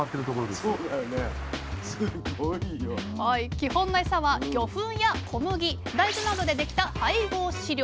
基本のエサは魚粉や小麦大豆などでできた配合飼料。